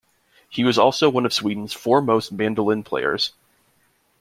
He was also one of Sweden's foremost mandolin players.